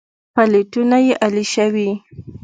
پلېټونه يې الېشوي.